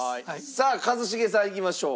さあ一茂さんいきましょう。